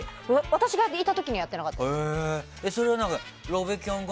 私がいた時はやってなかったですが。